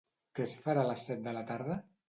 Què es farà a les set de la tarda?